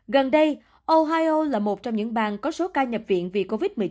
gần đây ohio là một trong những bang có số ca nhập viện vì covid một mươi chín